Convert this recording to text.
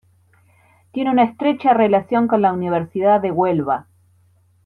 Tiene una estrecha relación con la Universidad de Huelva.